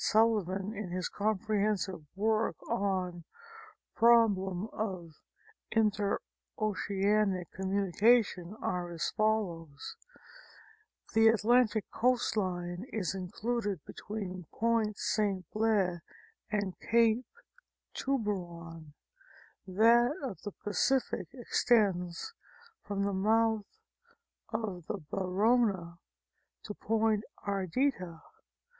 Sullivan in his comprehensive work on " Prob lem of Interoceanic Communication," are as follows :" The Atlantic coast line is included between Point San Bias and Cape Tiburon ; that of the Pacific extends from the mouth of the Bayano to Point Ardita.